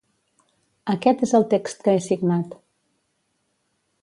Aquest és el text que he signat.